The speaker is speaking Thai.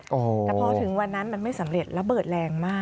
แต่พอถึงวันนั้นมันไม่สำเร็จระเบิดแรงมาก